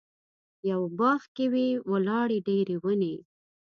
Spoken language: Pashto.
یوه باغ کې وې ولاړې ډېرې ونې.